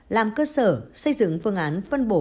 làm cơ sở xây dựng phương án phân bổ